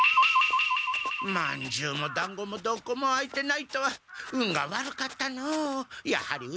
まんじゅうもだんごもどこも開いてないとは運が悪かったのう。